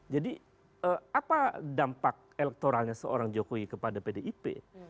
jadi apa dampak elektoralnya seorang jokowi kepada pdip